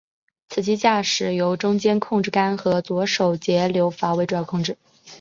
此机驾驶由中间控制杆和左手节流阀为主要控制。